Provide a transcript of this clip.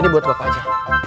ini buat bapak aja